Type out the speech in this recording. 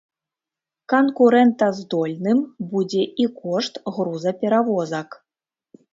Канкурэнтаздольным будзе і кошт грузаперавозак.